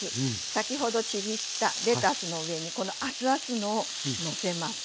先ほどちぎったレタスの上にこの熱々のをのせます。